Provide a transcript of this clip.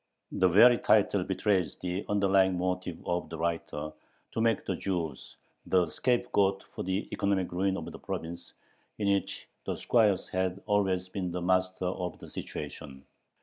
The very title betrays the underlying motive of the writer, to make the Jews the scapegoat for the economic ruin of the province, in which the squires had always been the masters of the situation.